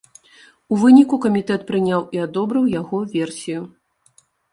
У выніку камітэт прыняў і адобрыў яго версію.